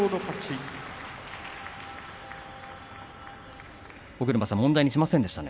拍手尾車さん問題にしませんでしたね。